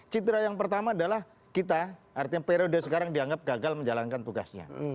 citra yang pertama adalah kita artinya periode sekarang dianggap gagal menjalankan tugasnya